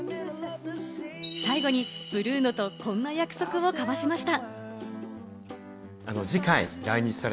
最後にブルーノとこんな約束を交わしました。